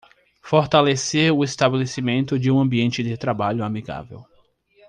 Fortalecer o estabelecimento de um ambiente de trabalho amigável